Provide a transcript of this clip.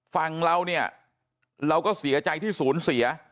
ฝั่งเราเนี่ยเราก็เสียใจที่ศูนย์เสีย